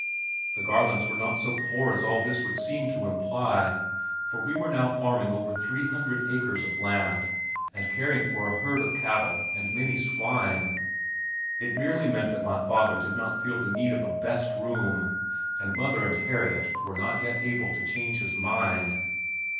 The Garlands were not so poor as all this would seem to imply, for we were now farming over three hundred acres of land and caring for a herd of cattle and many swine. It merely meant that my father did not feel the need of a "best room" and mother and Harriet were not yet able to change his mind.